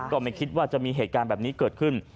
ก็ไม่คิดว่าจะมีเหตุการณ์แบบนี้เกิดขึ้น